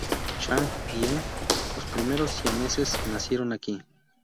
Chang y Eng, los primeros siameses, nacieron aquí.